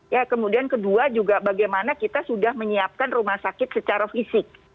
ya kemudian kedua juga bagaimana kita sudah menyiapkan rumah sakit secara fisik